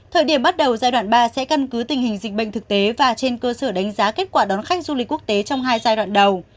thời điểm bắt đầu giai đoạn ba sẽ căn cứ tình hình dịch bệnh thực tế và trên cơ sở đánh giá kết quả đón khách du lịch quốc tế trong hai giai đoạn đầu